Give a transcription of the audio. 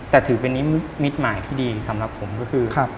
แต่ถือเป็นนิมิตหมายที่ดีสำหรับผมก็คือ